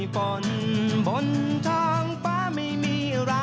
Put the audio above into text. สนุนโดยอีซุสุข